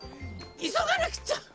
いそがなくちゃ！